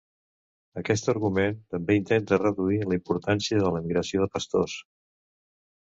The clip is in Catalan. Aquest argument també intenta reduir la importància de la migració de pastors.